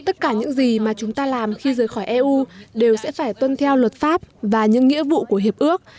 tất cả những gì mà chúng ta làm khi rời khỏi eu đều sẽ phải tuân theo luật pháp và những nghĩa vụ của hiệp ước